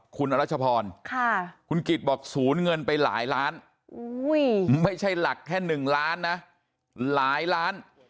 คุณอรัชพรคุณกิจบอกศูนย์เงินไปหลายล้านไม่ใช่หลักแค่๑ล้านนะหลายล้าน